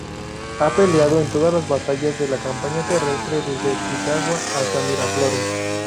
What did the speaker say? Ha peleado en todas las batallas de la campaña terrestre, desde Pisagua hasta Miraflores.